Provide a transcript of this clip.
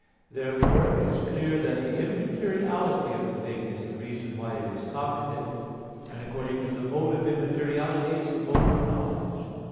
Therefore it is clear that the immateriality of a thing is the reason why it is cognitive; and according to the mode of immateriality is the mode of knowledge.